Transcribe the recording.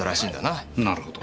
なるほど。